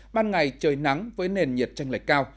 ban ngày trời nắng với nền nhiệt tranh lệch cao